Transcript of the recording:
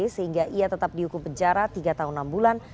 sehingga ia tetap dihukum penjara tiga tahun enam bulan